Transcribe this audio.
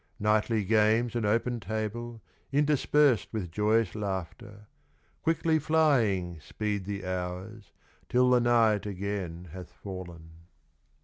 Knightly games and open table, Interspersed with joyous laughter, Quickly flying, speed the hours, Till the night again hath fallen.